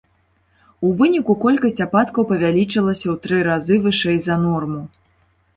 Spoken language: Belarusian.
У выніку колькасць ападкаў павялічылася ў тры разы вышэй за норму.